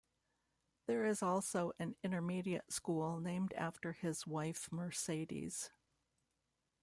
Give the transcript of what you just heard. There is also an intermediate school named after his wife Mercedes.